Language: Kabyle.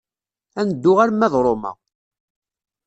Ad neddu arma d Roma.